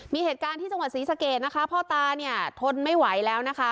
มีเหตุการณ์ที่จังหวัดศรีสะเกดนะคะพ่อตาเนี่ยทนไม่ไหวแล้วนะคะ